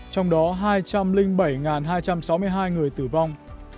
trong đó hai trăm linh bảy hai trăm sáu mươi hai người tử vong